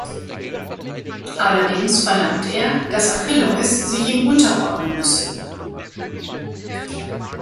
Allerdings verlangt er, dass Achilleus sich ihm unterordnen müsse.